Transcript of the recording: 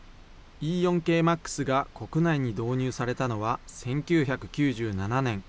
Ｅ４系Ｍａｘが国内に導入されたのは１９９７年。